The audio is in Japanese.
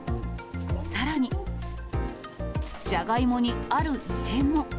さらに、ジャガイモにある異変も。